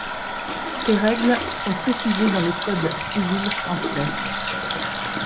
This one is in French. Ces règles sont précisées dans le Code civil français.